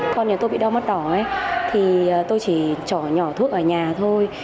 con nhà tôi bị đau mắt đỏ thì tôi chỉ nhỏ thuốc ở nhà thôi